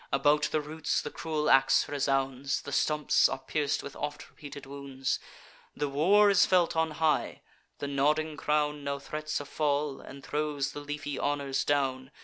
About the roots the cruel ax resounds; The stumps are pierc'd with oft repeated wounds: The war is felt on high; the nodding crown Now threats a fall, and throws the leafy honours down.